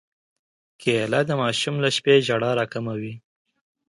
کېله د ماشوم له شپې ژړا راکموي.